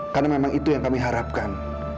karena memang itu yang kami harapkan